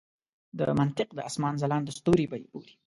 د منطق د اسمان ځلانده ستوري به یې بولي.